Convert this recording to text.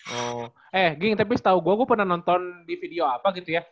oh eh ging tapi setau gua gua pernah nonton di video apa gitu ya